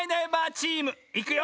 チームいくよ！